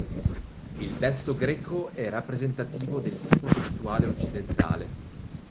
Il testo greco è rappresentativo del tipo testuale occidentale.